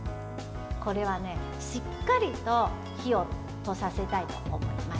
これはしっかりと火を通させたいと思います。